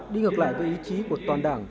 đi ngược lại với ý chí của toàn đảng